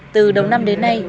từ đống năm đến nay